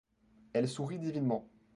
Elle sourit divinement.